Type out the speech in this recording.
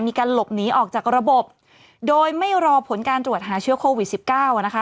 มีการหลบหนีออกจากระบบโดยไม่รอผลการตรวจหาเชื้อโควิดสิบเก้าอ่ะนะคะ